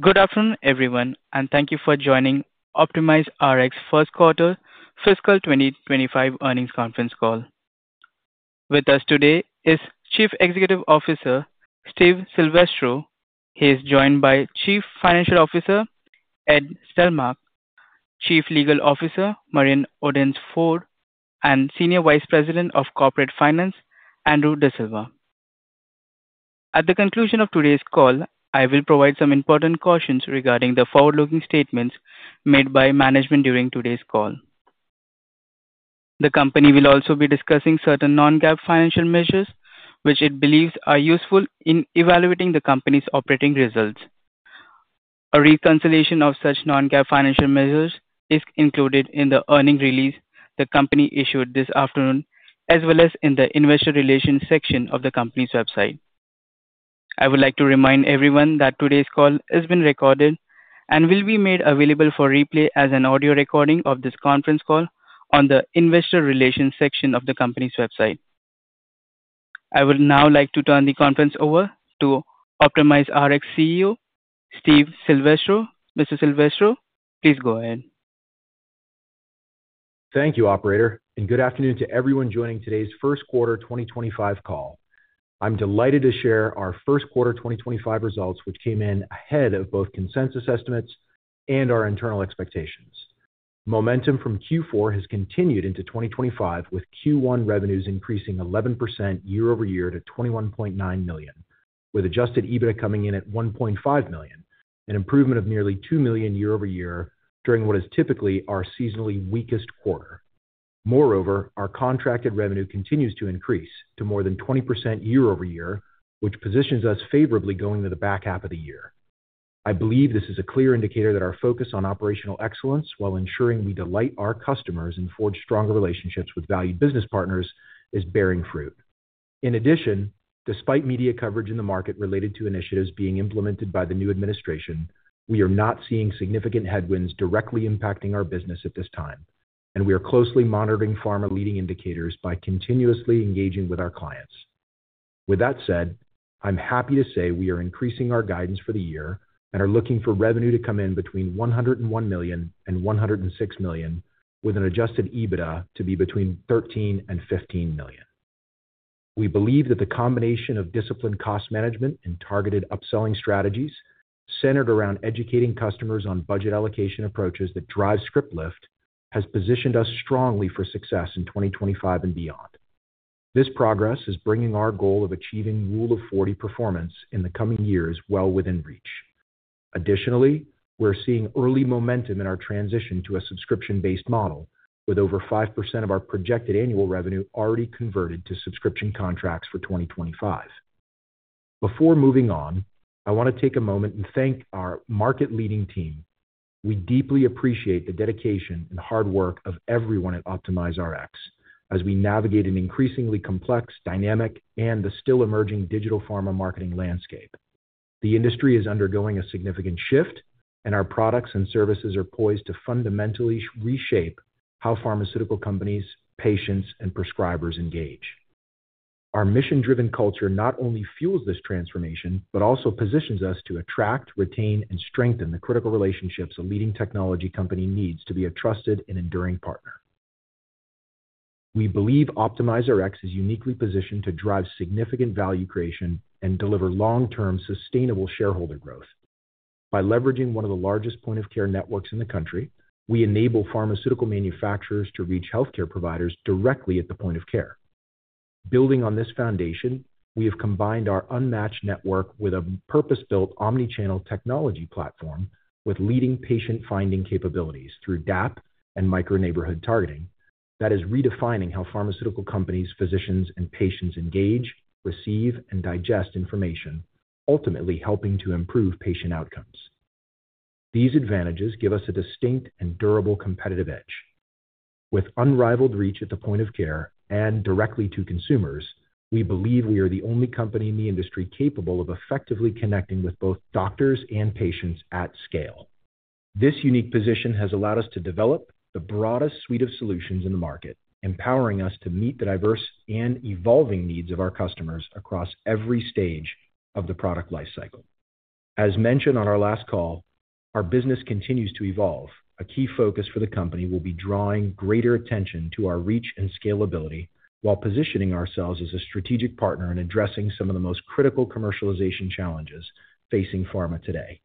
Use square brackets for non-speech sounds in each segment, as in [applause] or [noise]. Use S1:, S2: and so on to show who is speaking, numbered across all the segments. S1: Good afternoon, everyone, and thank you for joining OptimizeRx's First Quarter Fiscal 2025 Earnings Conference Call. With us today is Chief Executive Officer Steve Silvestro. He is joined by Chief Financial Officer Ed Stelmakh, Chief Legal Officer Marion Odence-Ford, and Senior Vice President of Corporate Finance Andrew De Silva. At the conclusion of today's call, I will provide some important cautions regarding the forward-looking statements made by management during today's call. The company will also be discussing certain non-GAAP financial measures which it believes are useful in evaluating the company's operating results. A reconciliation of such non-GAAP financial measures is included in the earnings release the company issued this afternoon, as well as in the Investor Relations section of the company's website. I would like to remind everyone that today's call has been recorded and will be made available for replay as an audio recording of this conference call on the Investor Relations section of the company's website. I would now like to turn the conference over to OptimizeRx CEO Steve Silvestro. Mr. Silvestro, please go ahead.
S2: Thank you, Operator, and good afternoon to everyone joining today's first-quarter 2025 call. I'm delighted to share our first-quarter 2025 results, which came in ahead of both consensus estimates and our internal expectations. Momentum from Q4 has continued into 2025, with Q1 revenues increasing 11% year-over-year to $21.9 million, with adjusted EBITDA coming in at $1.5 million, an improvement of nearly $2 million year-over-year during what is typically our seasonally weakest quarter. Moreover, our contracted revenue continues to increase to more than 20% year-over-year, which positions us favorably going into the back half of the year. I believe this is a clear indicator that our focus on operational excellence, while ensuring we delight our customers and forge stronger relationships with valued business partners, is bearing fruit. In addition, despite media coverage in the market related to initiatives being implemented by the new administration, we are not seeing significant headwinds directly impacting our business at this time, and we are closely monitoring pharma-leading indicators by continuously engaging with our clients. With that said, I'm happy to say we are increasing our guidance for the year and are looking for revenue to come in between $101 million and $106 million, with an adjusted EBITDA to be between $13 million and $15 million. We believe that the combination of disciplined cost management and targeted upselling strategies centered around educating customers on budget allocation approaches that drive script lift has positioned us strongly for success in 2025 and beyond. This progress is bringing our goal of achieving Rule of 40 performance in the coming years well within reach. Additionally, we're seeing early momentum in our transition to a subscription-based model, with over 5% of our projected annual revenue already converted to subscription contracts for 2025. Before moving on, I want to take a moment and thank our market-leading team. We deeply appreciate the dedication and hard work of everyone at OptimizeRx as we navigate an increasingly complex, dynamic, and still emerging digital pharma marketing landscape. The industry is undergoing a significant shift, and our products and services are poised to fundamentally reshape how pharmaceutical companies, patients, and prescribers engage. Our mission-driven culture not only fuels this transformation but also positions us to attract, retain, and strengthen the critical relationships a leading technology company needs to be a trusted and enduring partner. We believe OptimizeRx is uniquely positioned to drive significant value creation and deliver long-term sustainable shareholder growth. By leveraging one of the largest point-of-care networks in the country, we enable pharmaceutical manufacturers to reach healthcare providers directly at the point of care. Building on this foundation, we have combined our unmatched network with a purpose-built Omnichannel Technology Platform with leading patient-finding capabilities through DAAP and micro-neighborhood targeting that is redefining how pharmaceutical companies, physicians, and patients engage, receive, and digest information, ultimately helping to improve patient outcomes. These advantages give us a distinct and durable competitive edge. With unrivaled reach at the point of care and directly to consumers, we believe we are the only company in the industry capable of effectively connecting with both doctors and patients at scale. This unique position has allowed us to develop the broadest suite of solutions in the market, empowering us to meet the diverse and evolving needs of our customers across every stage of the product lifecycle. As mentioned on our last call, our business continues to evolve. A key focus for the company will be drawing greater attention to our reach and scalability while positioning ourselves as a strategic partner in addressing some of the most critical commercialization challenges facing pharma today.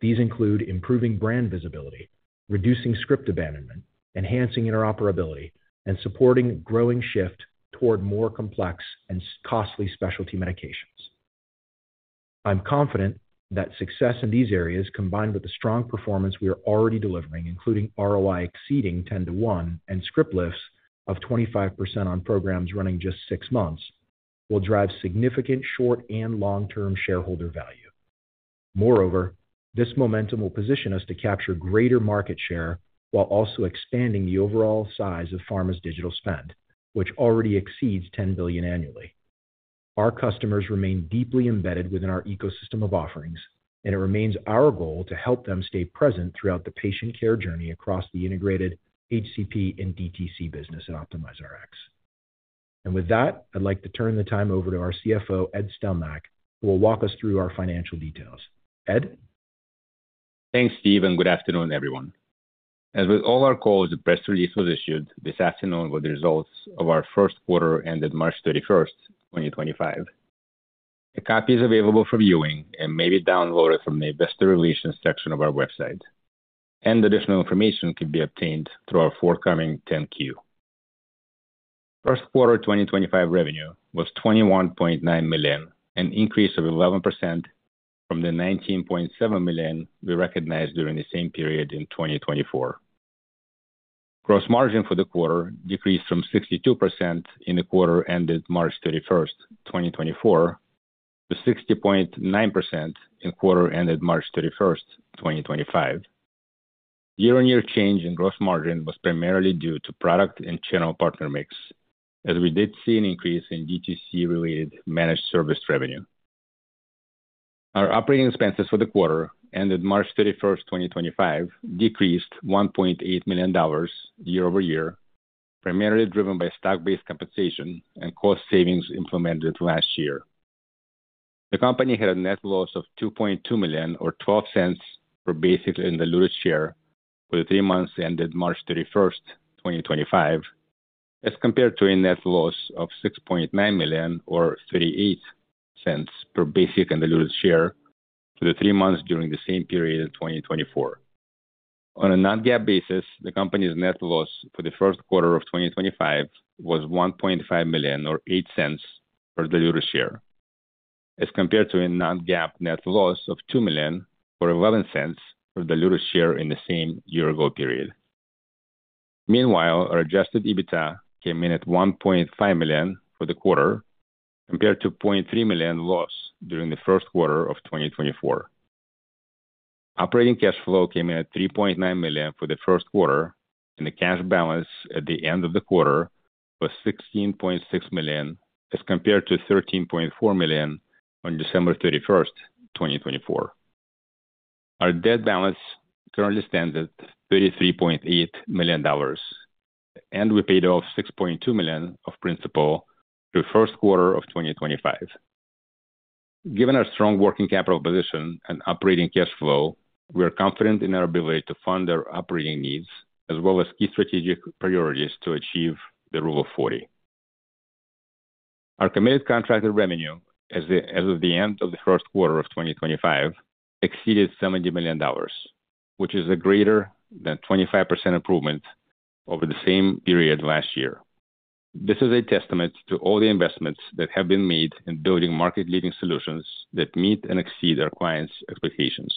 S2: These include improving brand visibility, reducing script abandonment, enhancing interoperability, and supporting a growing shift toward more complex and costly specialty medications. I'm confident that success in these areas, combined with the strong performance we are already delivering, including ROI exceeding 10 to 1 and script lifts of 25% on programs running just six months, will drive significant short and long-term shareholder value. Moreover, this momentum will position us to capture greater market share while also expanding the overall size of pharma's digital spend, which already exceeds $10 billion annually. Our customers remain deeply embedded within our ecosystem of offerings, and it remains our goal to help them stay present throughout the patient care journey across the integrated HCP and DTC business at OptimizeRx. With that, I'd like to turn the time over to our CFO, Ed Stelmakh, who will walk us through our financial details. Ed?
S3: Thanks, Steve, and good afternoon, everyone. As with all our calls, a press release was issued this afternoon with the results of our first quarter ended March 31, 2025. A copy is available for viewing and may be downloaded from the Investor Relations section of our website, and additional information can be obtained through our forthcoming 10-Q. First-quarter 2025 revenue was $21.9 million, an increase of 11% from the $19.7 million we recognized during the same period in 2024. Gross margin for the quarter decreased from 62% in the quarter ended March 31, 2024, to 60.9% in the quarter ended March 31, 2025. Year-on-year change in gross margin was primarily due to product and channel partner mix, as we did see an increase in DTC-related managed service revenue. Our operating expenses for the quarter ended March 31, 2025, decreased $1.8 million year-over-year, primarily driven by stock-based compensation and cost savings implemented last year. The company had a net loss of $2.2 million, or $0.12 per basic and diluted share for the three months ended March 31, 2025, as compared to a net loss of $6.9 million, or $0.38 per basic and diluted share for the three months during the same period in 2024. On a non-GAAP basis, the company's net loss for the first quarter of 2025 was $1.5 million, or $0.08 per diluted share, as compared to a non-GAAP net loss of $2 million, or $0.11 per diluted share in the same year-ago period. Meanwhile, our adjusted EBITDA came in at $1.5 million for the quarter, compared to a $0.3 million loss during the first quarter of 2024. Operating cash flow came in at $3.9 million for the first quarter, and the cash balance at the end of the quarter was $16.6 million, as compared to $13.4 million on December 31, 2024. Our debt balance currently stands at $33.8 million, and we paid off $6.2 million of principal through the first quarter of 2025. Given our strong working capital position and operating cash flow, we are confident in our ability to fund our operating needs as well as key strategic priorities to achieve the Rule of 40. Our committed contracted revenue, as of the end of the first quarter of 2025, exceeded $70 million, which is a greater than 25% improvement over the same period last year. This is a testament to all the investments that have been made in building market-leading solutions that meet and exceed our clients' expectations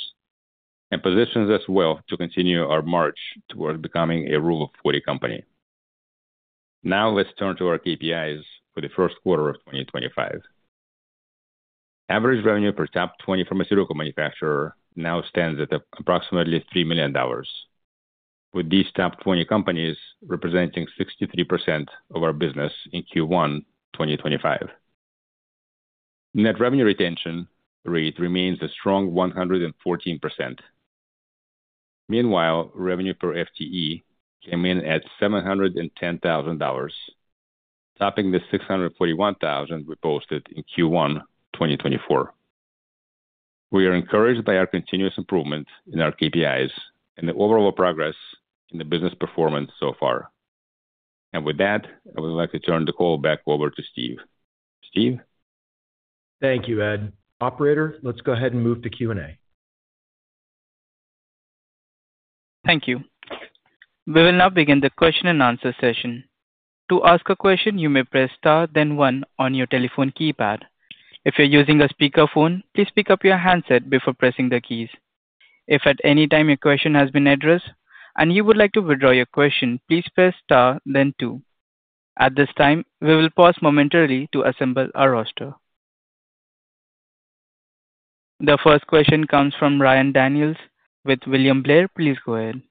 S3: and positions us well to continue our march towards becoming a Rule of 40 company. Now, let's turn to our KPIs for the first quarter of 2025. Average revenue per top 20 pharmaceutical manufacturer now stands at approximately $3 million, with these top 20 companies representing 63% of our business in Q1 2025. Net revenue retention rate remains a strong 114%. Meanwhile, revenue per FTE came in at $710,000, topping the $641,000 we posted in Q1 2024. We are encouraged by our continuous improvement in our KPIs and the overall progress in the business performance so far. With that, I would like to turn the call back over to Steve. Steve?
S2: Thank you, Ed. Operator, let's go ahead and move to Q&A.
S1: Thank you. We will now begin the Q&A session. To ask a question, you may press star then one on your telephone keypad. If you're using a speakerphone, please pick up your handset before pressing the keys. If at any time your question has been addressed and you would like to withdraw your question, please press star then two. At this time, we will pause momentarily to assemble our roster. The first question comes from Ryan Daniels with William Blair. Please go ahead.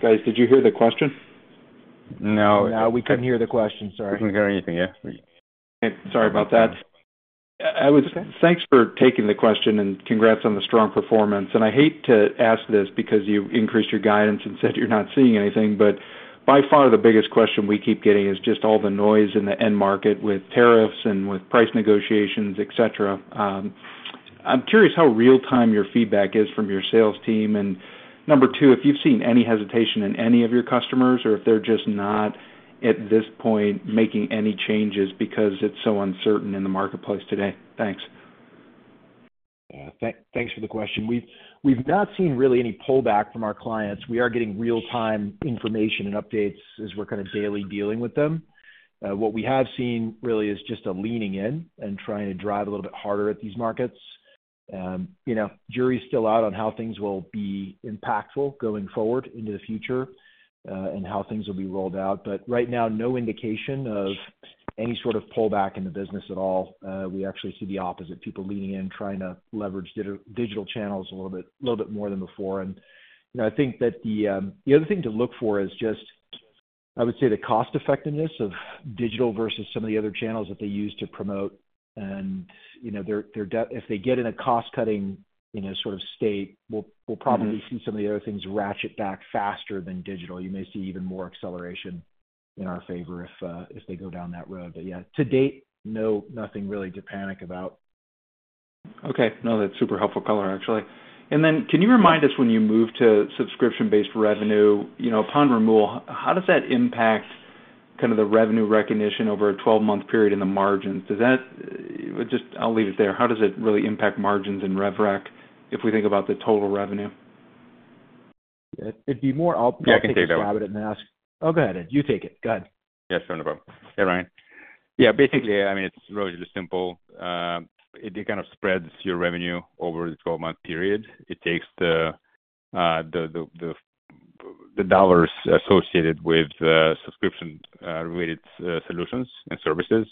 S4: Guys, did you hear the question?
S3: No.
S5: No, we couldn't hear the question. Sorry.
S2: We didn't hear anything, yeah.
S4: Sorry about that. Thanks for taking the question and congrats on the strong performance. I hate to ask this because you increased your guidance and said you're not seeing anything, but by far, the biggest question we keep getting is just all the noise in the end market with tariffs and with price negotiations, etc. I'm curious how real-time your feedback is from your sales team. Number two, if you've seen any hesitation in any of your customers or if they're just not, at this point, making any changes because it's so uncertain in the marketplace today. Thanks.
S2: Thanks for the question. We've not seen really any pullback from our clients. We are getting real-time information and updates as we're kind of daily dealing with them. What we have seen really is just a leaning in and trying to drive a little bit harder at these markets. Jury's still out on how things will be impactful going forward into the future and how things will be rolled out. Right now, no indication of any sort of pullback in the business at all. We actually see the opposite: people leaning in, trying to leverage digital channels a little bit more than before. I think that the other thing to look for is just, I would say, the cost-effectiveness of digital versus some of the other channels that they use to promote. If they get in a cost-cutting sort of state, we'll probably see some of the other things ratchet back faster than digital. You may see even more acceleration in our favor if they go down that road. Yeah, to date, no, nothing really to panic about.
S4: Okay. No, that's super helpful color, actually. Can you remind us when you move to subscription-based revenue, upon removal, how does that impact kind of the revenue recognition over a 12-month period in the margins? I'll leave it there. How does it really impact margins and RevRec if we think about the total revenue?
S2: It'd be more.
S3: Yeah, I can take that. [crosstalk] If you could grab it and ask.
S2: Oh, go ahead, Ed. You take it. Go ahead.
S3: Yeah, sure. No problem. Yeah, Ryan. Yeah, basically, I mean, it's relatively simple. It kind of spreads your revenue over the 12-month period. It takes the dollars associated with subscription-related solutions and services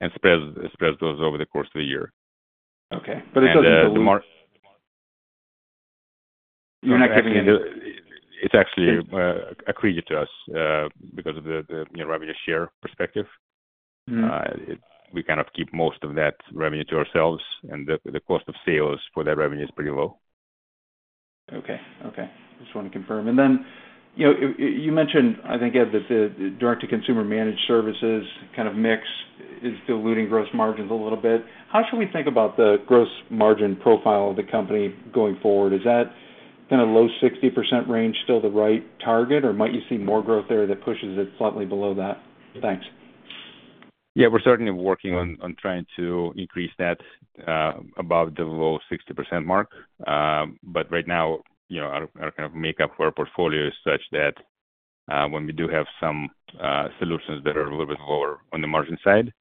S3: and spreads those over the course of the year. [crosstalk] It's actually accretive to us because of the revenue share perspective. We kind of keep most of that revenue to ourselves, and the cost of sales for that revenue is pretty low.
S4: Okay. Okay. Just wanted to confirm. And then you mentioned, I think, Ed, that the direct-to-consumer managed services kind of mix is diluting gross margins a little bit. How should we think about the gross margin profile of the company going forward? Is that kind of low 60% range still the right target, or might you see more growth there that pushes it slightly below that? Thanks.
S3: Yeah, we're certainly working on trying to increase that above the low 60% mark. Right now, our kind of makeup for our portfolio is such that when we do have some solutions that are a little bit lower on the margin side,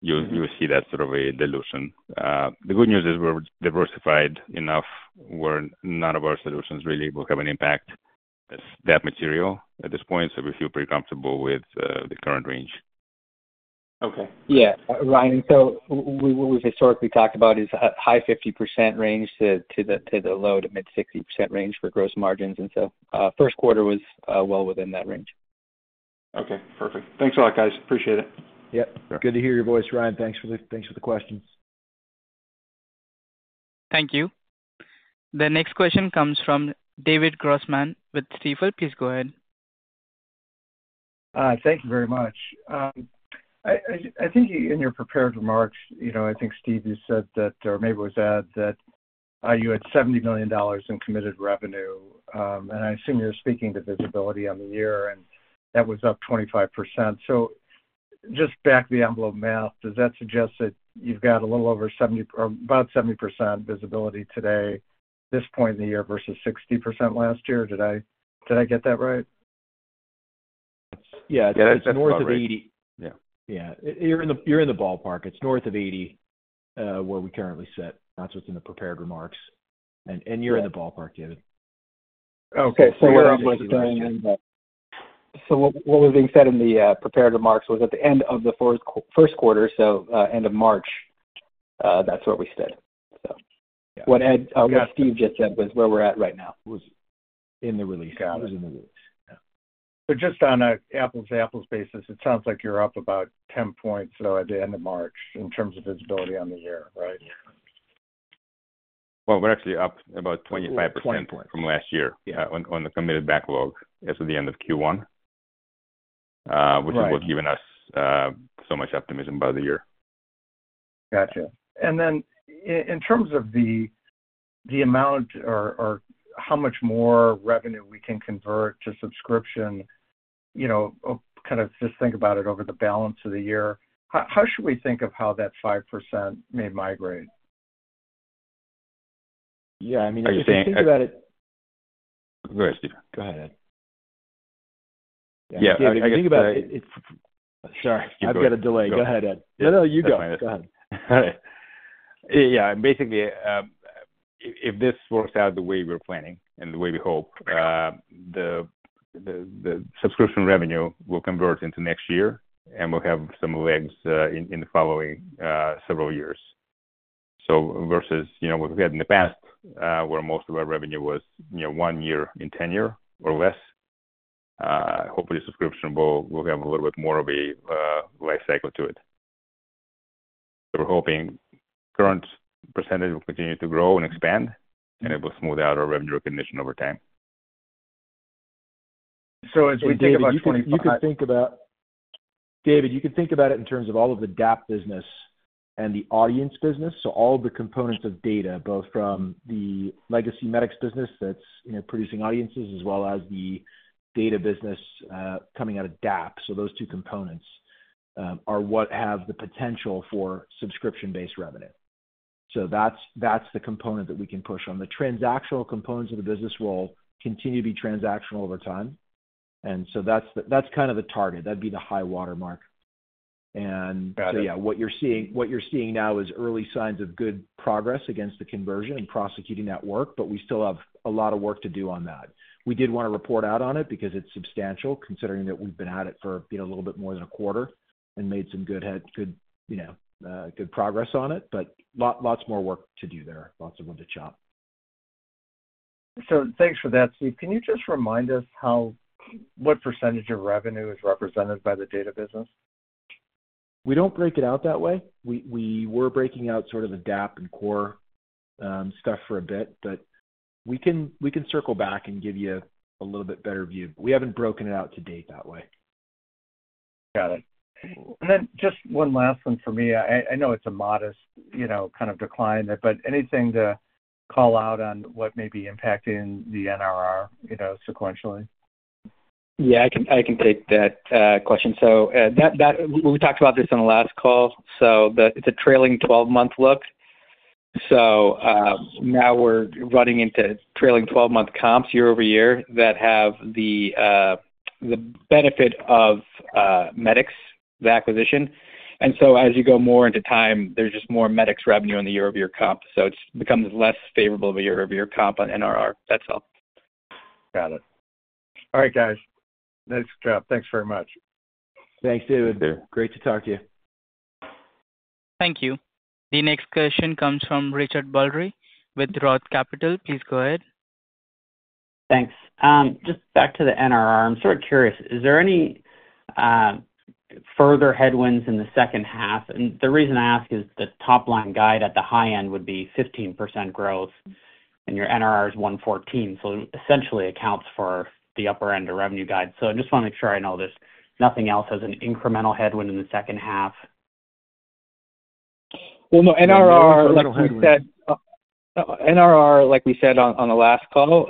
S3: you will see that sort of a dilution. The good news is we're diversified enough where none of our solutions really will have an impact that material at this point. We feel pretty comfortable with the current range.
S4: Okay.
S2: Yeah. Ryan, so what we've historically talked about is a high 50% range to the low to mid-60% range for gross margins. First quarter was well within that range.
S4: Okay. Perfect. Thanks a lot, guys. Appreciate it.
S3: Yep.
S2: Good to hear your voice, Ryan. Thanks for the questions.
S1: Thank you. The next question comes from David Grossman with Stifel. Please go ahead.
S6: Thank you very much. I think in your prepared remarks, I think Steve you said that, or maybe it was Ed that you had $70 million in committed revenue. And I assume you're speaking to visibility on the year, and that was up 25%. Just back of the envelope math, does that suggest that you've got a little over 70 or about 70% visibility today at this point in the year versus 60% last year? Did I get that right?
S2: Yeah. [crosstalk] Yeah, it's north of 80%. Yeah. You're in the ballpark. It's north of 80 where we currently sit. That's what's in the prepared remarks. You're in the ballpark, David.
S6: Okay. So where are we standing?
S3: What was being said in the prepared remarks was at the end of the first quarter, so end of March, that's where we stood. What Steve just said was where we're at right now. Was in the release. [crosstalk]
S6: Got it. Just on an apples-to-apples basis, it sounds like you're up about 10 percentage points though at the end of March in terms of visibility on the year, right?
S3: We're actually up about 25% from last year on the committed backlog as of the end of Q1, which is what's given us so much optimism by the year.
S4: Gotcha. In terms of the amount or how much more revenue we can convert to subscription, kind of just think about it over the balance of the year, how should we think of how that 5% may migrate?
S2: Yeah. I mean, if you think about it. [crosstalk]
S3: Go ahead, Steve.
S2: Go ahead, Ed.
S3: Yeah. I think about it. [crosstlak]
S2: Sorry. I've got a delay. Go ahead, Ed.
S3: No, no, you go.
S2: Go ahead.
S3: All right. Yeah. Basically, if this works out the way we're planning and the way we hope, the subscription revenue will convert into next year, and we'll have some legs in the following several years. Versus what we had in the past, where most of our revenue was one year in tenure or less, hopefully, subscription will have a little bit more of a life cycle to it. We're hoping current percentage will continue to grow and expand, and it will smooth out our revenue recognition over time.
S2: As we think about 2025, [crosstalk] you could think about, David, you could think about it in terms of all of the DAAP business and the audience business. All of the components of data, both from the legacy Medics business that is producing audiences as well as the data business coming out of DAAP. Those two components are what have the potential for subscription-based revenue. That is the component that we can push on. The transactional components of the business will continue to be transactional over time. That is kind of the target. That would be the high watermark. What you are seeing now is early signs of good progress against the conversion and prosecuting that work, but we still have a lot of work to do on that. We did want to report out on it because it's substantial, considering that we've been at it for a little bit more than a quarter and made some good progress on it. Lots more work to do there. Lots of work to chop.
S6: Thanks for that, Steve. Can you just remind us what percentage of revenue is represented by the data business?
S2: We do not break it out that way. We were breaking out sort of the DAAP and core stuff for a bit, but we can circle back and give you a little bit better view. We have not broken it out to date that way.
S6: Got it. And then just one last one for me. I know it's a modest kind of decline, but anything to call out on what may be impacting the NRR sequentially?
S2: Yeah, I can take that question. We talked about this on the last call. It is a trailing 12-month look. Now we are running into trailing 12-month comps year over year that have the benefit of the Medics acquisition. As you go more into time, there is just more Medics revenue in the year-over-year comp. It becomes less favorable of a year-over-year comp on NRR. That is all.
S6: Got it. All right, guys. Nice job. Thanks very much.
S3: Thanks, David.
S2: Thank you. Great to talk to you.
S1: Thank you. The next question comes from Richard Baldry with ROTH Capital. Please go ahead.
S7: Thanks. Just back to the NRR. I'm sort of curious, is there any further headwinds in the second half? The reason I ask is the top-line guide at the high end would be 15% growth, and your NRR is 114. So essentially, it accounts for the upper end of revenue guide. I just want to make sure I know this. Nothing else has an incremental headwind in the second half?
S5: No, NRR, like we said on the last call,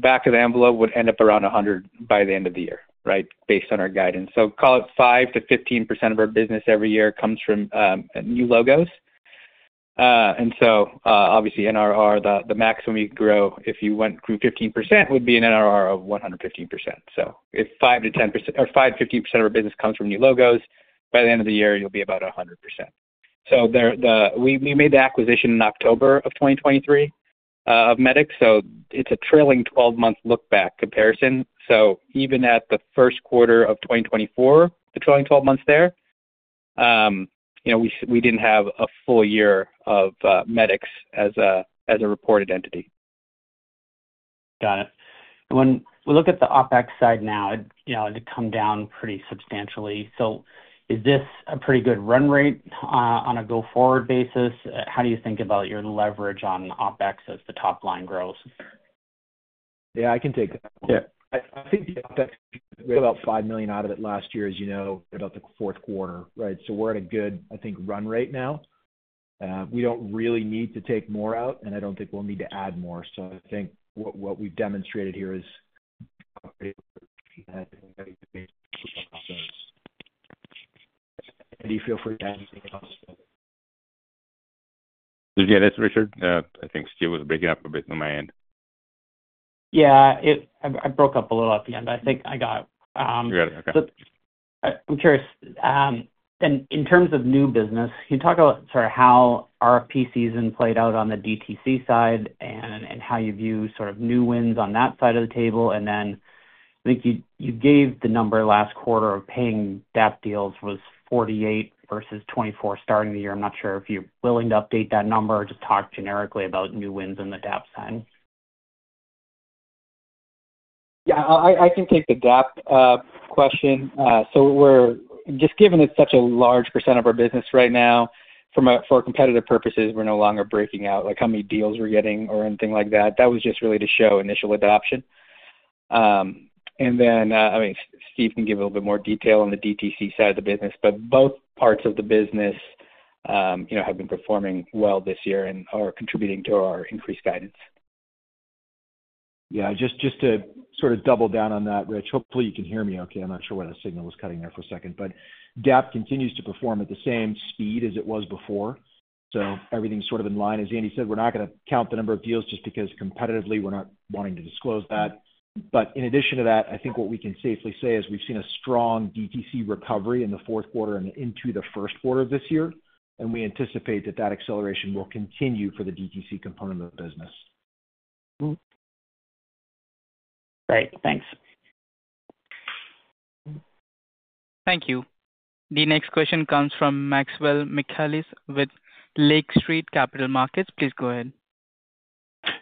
S5: back of the envelope would end up around 100% by the end of the year, right, based on our guidance. Call it 5%-15% of our business every year comes from new logos. Obviously, NRR, the maximum you could grow if you went through 15% would be an NRR of 115%. If 5%-10% or 5%-15% of our business comes from new logos, by the end of the year, you'll be about 100%. We made the acquisition in October 2023 of Medics. It is a trailing 12-month look-back comparison. Even at the first quarter of 2024, the trailing 12 months there, we did not have a full year of Medics as a reported entity.
S7: Got it. When we look at the OPEX side now, it had come down pretty substantially. Is this a pretty good run rate on a go-forward basis? How do you think about your leverage on OPEX as the top-line growth?
S2: Yeah, I can take that one. I think the OPEX, we had about $5 million out of it last year, as you know, about the fourth quarter, right? We are at a good, I think, run rate now. We do not really need to take more out, and I do not think we will need to add more. I think what we have demonstrated here is [audio distortion] and do you feel free to add anything else?
S3: Yeah, that's Richard. I think Steve was breaking up a bit on my end.
S7: Yeah, I broke up a little at the end. I think I got it.
S3: You got it. Okay.
S7: I'm curious, then in terms of new business, can you talk about sort of how RFP season played out on the DTC side and how you view sort of new wins on that side of the table? I think you gave the number last quarter of paying DAAP deals was 48 versus 24 starting the year. I'm not sure if you're willing to update that number or just talk generically about new wins on the DAAP side.
S5: Yeah, I can take the DAAP question. Just given it's such a large percent of our business right now, for competitive purposes, we're no longer breaking out how many deals we're getting or anything like that. That was just really to show initial adoption. I mean, Steve can give a little bit more detail on the DTC side of the business, but both parts of the business have been performing well this year and are contributing to our increased guidance.
S2: Yeah. Just to sort of double down on that, Rich, hopefully, you can hear me okay. I'm not sure why the signal was cutting there for a second. DAAP continues to perform at the same speed as it was before. Everything's sort of in line. As Andy said, we're not going to count the number of deals just because competitively we're not wanting to disclose that. In addition to that, I think what we can safely say is we've seen a strong DTC recovery in the fourth quarter and into the first quarter of this year. We anticipate that that acceleration will continue for the DTC component of the business.
S7: Great. Thanks.
S1: Thank you. The next question comes from Maxwell Michalis with Lake Street Capital Markets. Please go ahead.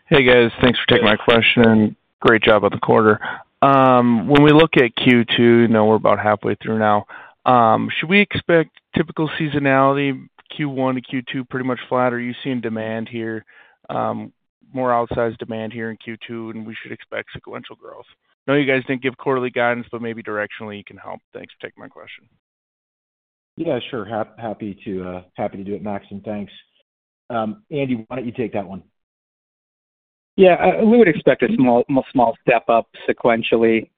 S6: Hey, guys. Thanks for taking my question. Great job on the quarter. When we look at Q2, we're about halfway through now. Should we expect typical seasonality Q1 to Q2, pretty much flat, or are you seeing demand here, more outsized demand here in Q2, and we should expect sequential growth? I know you guys didn't give quarterly guidance, but maybe directionally you can help. Thanks for taking my question.
S2: Yeah, sure. Happy to do it, Max. Thanks. Andy, why don't you take that one?
S5: Yeah. We would expect a small step up sequentially.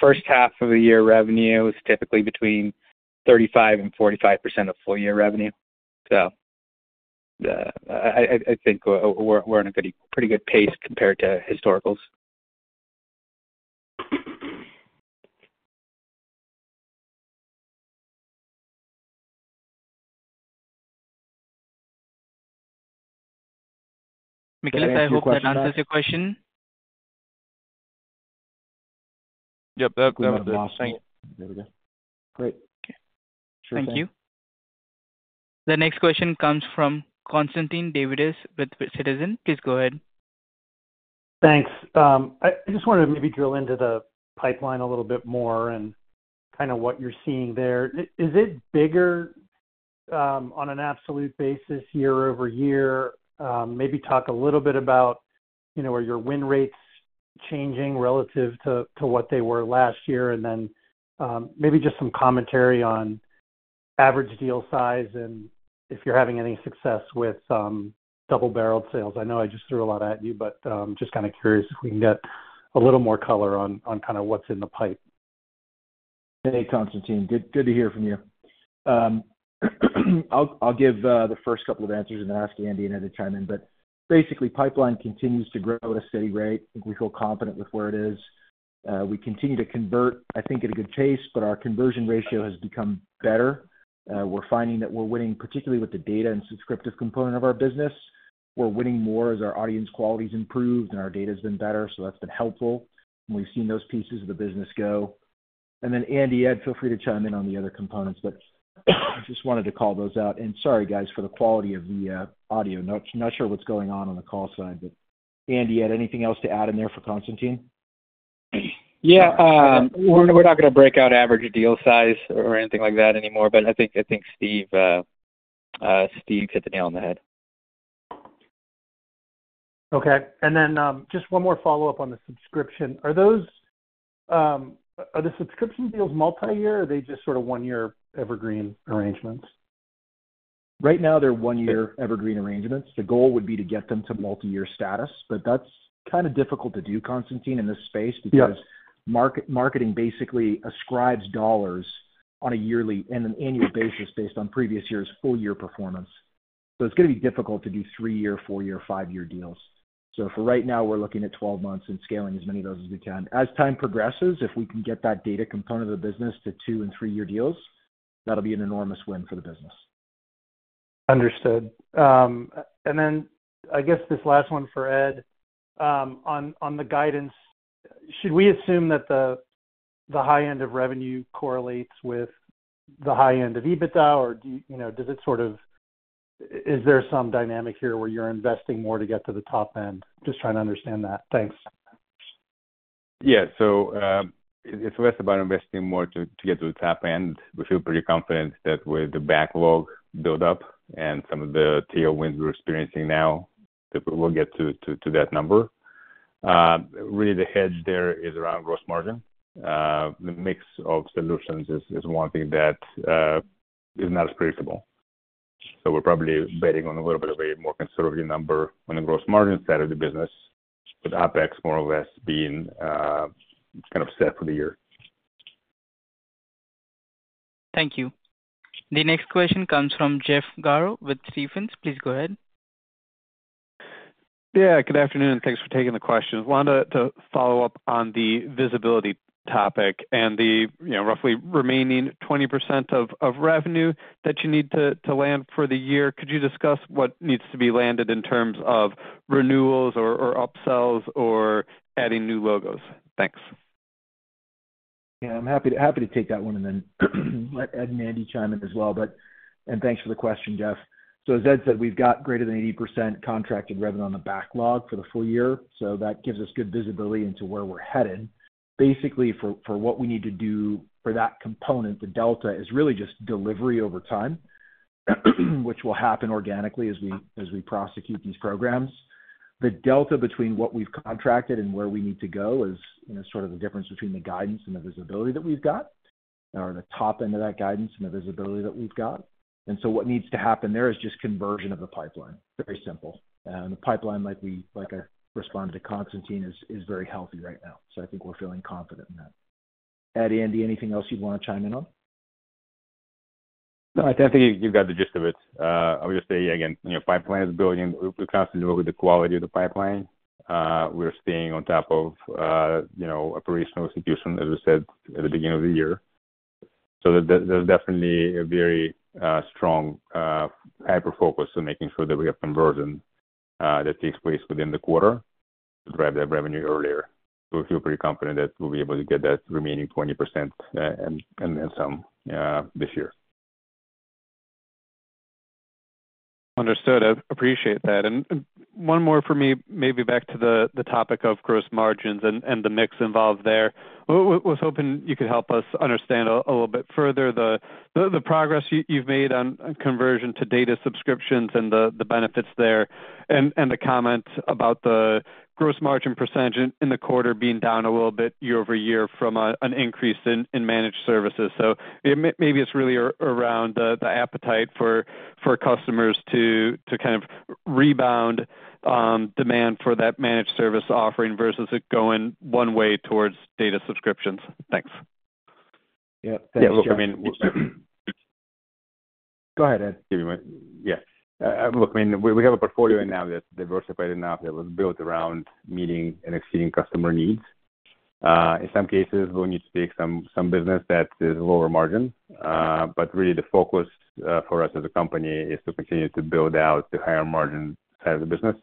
S5: First half of the year revenue is typically between 35% and 45% of full year revenue. I think we're on a pretty good pace compared to historicals. Michalis, I hope that answers your question.
S8: Yep. That was the last thing.
S2: There we go. Great.
S1: Okay. Thank you. The next question comes from Constantine Davides with Citizens. Please go ahead.
S9: Thanks. I just want to maybe drill into the pipeline a little bit more and kind of what you're seeing there. Is it bigger on an absolute basis year over year? Maybe talk a little bit about are your win rates changing relative to what they were last year? Maybe just some commentary on average deal size and if you're having any success with double-barreled sales. I know I just threw a lot at you, but just kind of curious if we can get a little more color on kind of what's in the pipe.
S2: Hey, Constantine. Good to hear from you. I'll give the first couple of answers and then ask Andy to chime in. Basically, pipeline continues to grow at a steady rate. I think we feel confident with where it is. We continue to convert, I think, at a good pace, but our conversion ratio has become better. We're finding that we're winning, particularly with the data and subscriptive component of our business. We're winning more as our audience quality has improved and our data has been better. That's been helpful. We've seen those pieces of the business go. Andy, Ed, feel free to chime in on the other components. I just wanted to call those out. Sorry, guys, for the quality of the audio. Not sure what's going on on the call side. Andy, Ed, anything else to add in there for Constantine?
S5: Yeah. We're not going to break out average deal size or anything like that anymore, but I think Steve hit the nail on the head.
S9: Okay. And then just one more follow-up on the subscription. Are the subscription deals multi-year, or are they just sort of one-year evergreen arrangements?
S5: Right now, they're one-year evergreen arrangements. The goal would be to get them to multi-year status, but that's kind of difficult to do, Constantine, in this space because marketing basically ascribes dollars on an annual basis based on previous year's full-year performance. It is going to be difficult to do three-year, four-year, five-year deals. For right now, we're looking at 12 months and scaling as many of those as we can. As time progresses, if we can get that data component of the business to two and three-year deals, that'll be an enormous win for the business.
S9: Understood. I guess this last one for Ed. On the guidance, should we assume that the high end of revenue correlates with the high end of EBITDA, or does it sort of—is there some dynamic here where you're investing more to get to the top end? Just trying to understand that. Thanks.
S3: Yeah. So it's less about investing more to get to the top end. We feel pretty confident that with the backlog built up and some of the tailwinds we're experiencing now, we'll get to that number. Really, the hedge there is around gross margin. The mix of solutions is one thing that is not as predictable. So we're probably betting on a little bit of a more conservative number on the gross margin side of the business, with OPEX more or less being kind of set for the year.
S1: Thank you. The next question comes from Jeff Garro with Stephens. Please go ahead.
S10: Yeah. Good afternoon. Thanks for taking the question. Wanted to follow up on the visibility topic and the roughly remaining 20% of revenue that you need to land for the year. Could you discuss what needs to be landed in terms of renewals or upsells or adding new logos? Thanks.
S2: Yeah. I'm happy to take that one and then let Ed and Andy chime in as well. Thanks for the question, Jeff. As Ed said, we've got greater than 80% contracted revenue on the backlog for the full year. That gives us good visibility into where we're headed. Basically, for what we need to do for that component, the delta is really just delivery over time, which will happen organically as we prosecute these programs. The delta between what we've contracted and where we need to go is sort of the difference between the guidance and the visibility that we've got or the top end of that guidance and the visibility that we've got. What needs to happen there is just conversion of the pipeline. Very simple. The pipeline, like I responded to Constantine, is very healthy right now. I think we're feeling confident in that. Ed, Andy, anything else you'd want to chime in on?
S3: No, I think you've got the gist of it. I would just say, again, pipeline is building. We're constantly working with the quality of the pipeline. We're staying on top of operational execution, as I said, at the beginning of the year. There is definitely a very strong hyper-focus on making sure that we have conversion that takes place within the quarter to drive that revenue earlier. We feel pretty confident that we'll be able to get that remaining 20% and then some this year.
S10: Understood. I appreciate that. One more for me, maybe back to the topic of gross margins and the mix involved there. I was hoping you could help us understand a little bit further the progress you've made on conversion to data subscriptions and the benefits there and the comment about the gross margin percentage in the quarter being down a little bit year over year from an increase in managed services. Maybe it's really around the appetite for customers to kind of rebound demand for that managed service offering versus it going one way towards data subscriptions. Thanks.
S3: Yeah. Thanks. I mean.
S2: Go ahead, Ed.
S3: Yeah. Look, I mean, we have a portfolio now that's diversified enough that was built around meeting and exceeding customer needs. In some cases, we'll need to take some business that is lower margin. Really, the focus for us as a company is to continue to build out the higher margin side of the business.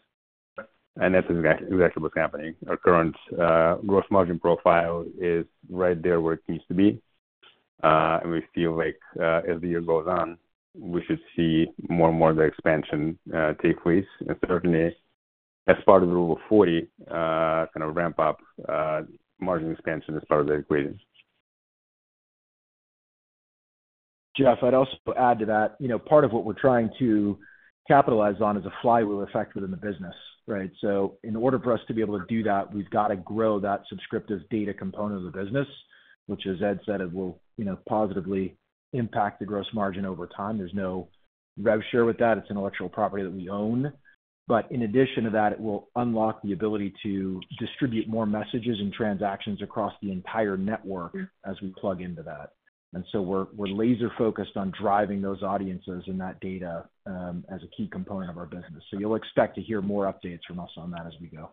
S3: That's exactly what's happening. Our current gross margin profile is right there where it needs to be. We feel like as the year goes on, we should see more and more of the expansion take place. Certainly, as part of the rule of 40, kind of ramp up margin expansion as part of the equation.
S2: Jeff, I'd also add to that. Part of what we're trying to capitalize on is a flywheel effect within the business, right? In order for us to be able to do that, we've got to grow that subscriptive data component of the business, which, as Ed said, will positively impact the gross margin over time. There's no rev share with that. It's intellectual property that we own. In addition to that, it will unlock the ability to distribute more messages and transactions across the entire network as we plug into that. We're laser-focused on driving those audiences and that data as a key component of our business. You'll expect to hear more updates from us on that as we go.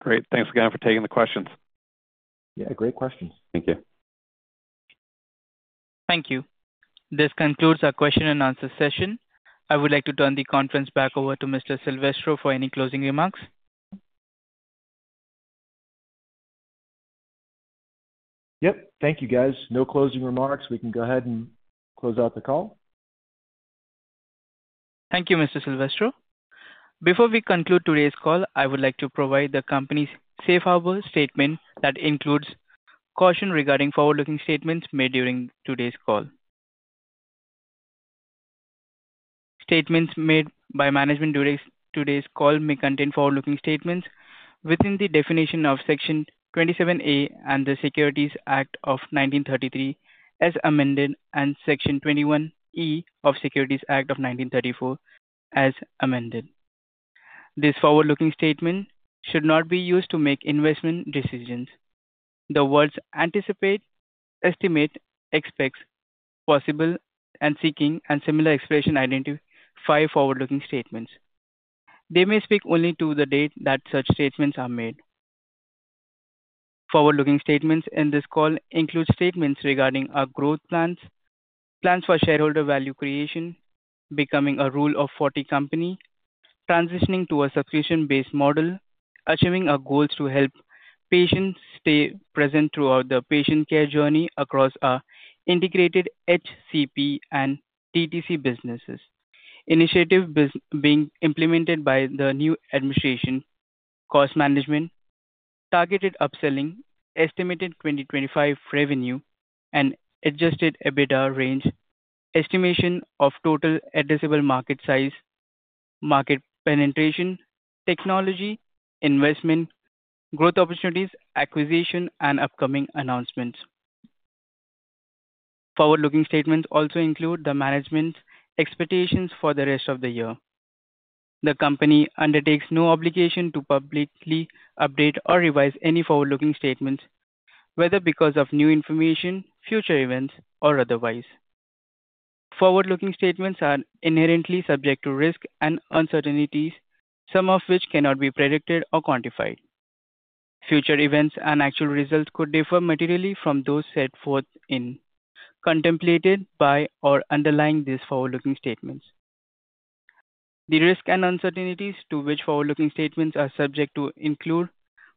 S10: Great. Thanks again for taking the questions.
S2: Yeah. Great questions.
S3: Thank you.
S1: Thank you. This concludes our Q&A session. I would like to turn the conference back over to Mr. Silvestro for any closing remarks.
S2: Yep. Thank you, guys. No closing remarks. We can go ahead and close out the call.
S1: Thank you, Mr. Silvestro. Before we conclude today's call, I would like to provide the company's safe harbor statement that includes caution regarding forward-looking statements made during today's call. Statements made by management during today's call may contain forward-looking statements within the definition of Section 27A of the Securities Act of 1933 as amended and Section 21E of the Securities Act of 1934 as amended. These forward-looking statements should not be used to make investment decisions. The words anticipate, estimate, expect, possible, and seeking, and similar expressions identify forward-looking statements. They may speak only to the date that such statements are made. Forward-looking statements in this call include statements regarding our growth plans, plans for shareholder value creation, becoming a Rule of 40 company, transitioning to a subscription-based model, achieving our goals to help patients stay present throughout the patient care journey across our integrated HCP and DTC businesses, initiative being implemented by the new administration, cost management, targeted upselling, estimated 2025 revenue, and adjusted EBITDA range, estimation of total addressable market size, market penetration, technology, investment, growth opportunities, acquisition, and upcoming announcements. Forward-looking statements also include the management's expectations for the rest of the year. The company undertakes no obligation to publicly update or revise any forward-looking statements, whether because of new information, future events, or otherwise. Forward-looking statements are inherently subject to risk and uncertainties, some of which cannot be predicted or quantified. Future events and actual results could differ materially from those set forth in, contemplated by, or underlying these forward-looking statements. The risks and uncertainties to which forward-looking statements are subject include,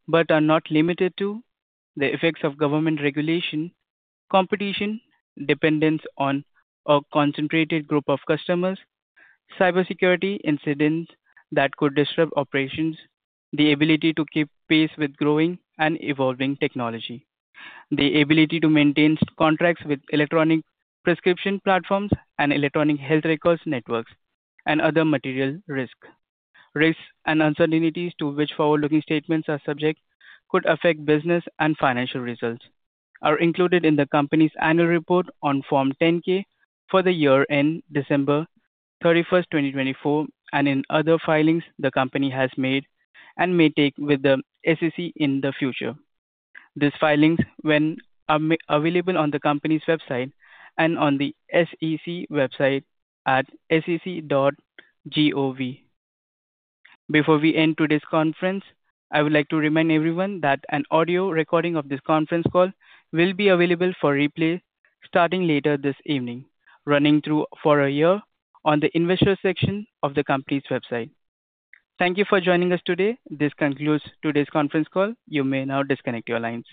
S1: but are not limited to, the effects of government regulation, competition, dependence on a concentrated group of customers, cybersecurity incidents that could disrupt operations, the ability to keep pace with growing and evolving technology, the ability to maintain contracts with electronic prescription platforms and electronic health records networks, and other material risks. Risks and uncertainties to which forward-looking statements are subject that could affect business and financial results are included in the company's annual report on Form 10-K for the year ended December 31, 2024, and in other filings the company has made and may make with the SEC in the future. These filings are available on the company's website and on the SEC website at sec.gov. Before we end today's conference, I would like to remind everyone that an audio recording of this conference call will be available for replay starting later this evening, running through for a year on the investor section of the company's website. Thank you for joining us today. This concludes today's conference call. You may now disconnect your lines.